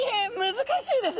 難しいです。